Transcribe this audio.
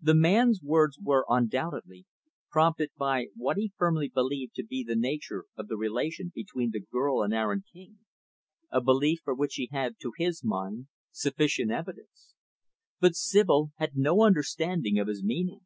The man's words were, undoubtedly, prompted by what he firmly believed to be the nature of the relation between the girl and Aaron King a belief for which he had, to his mind, sufficient evidence. But Sibyl had no understanding of his meaning.